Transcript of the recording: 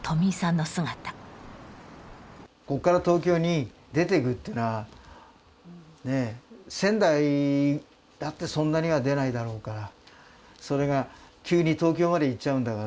ここから東京に出ていくというのは仙台だってそんなには出ないだろうからそれが急に東京まで行っちゃうんだから。